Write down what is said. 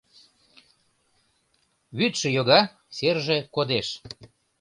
Вӱдшӧ йога, серже кодеш